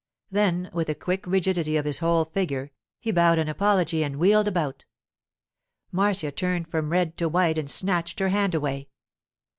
Then, with a quick rigidity of his whole figure, he bowed an apology and wheeled about. Marcia turned from red to white and snatched her hand away.